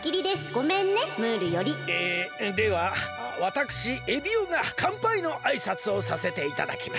えではわたくしエビオがかんぱいのあいさつをさせていただきます。